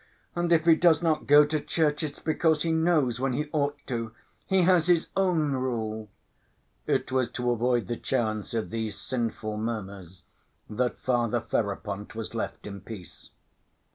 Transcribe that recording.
And if he does not go to church, it's because he knows when he ought to; he has his own rule." It was to avoid the chance of these sinful murmurs that Father Ferapont was left in peace.